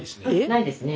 ないですね。